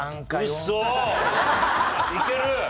いける！？